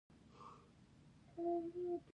د چونې ډبرې، میده مالګه او د رنګولو برش اړین دي.